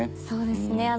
そうですね